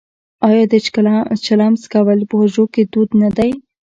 آیا د چلم څکول په حجرو کې دود نه دی؟